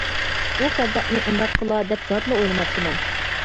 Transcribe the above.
ئۇ كاززاپنى ئۇنداق قىلا دەپ زادىلا ئويلىماپتىمەن.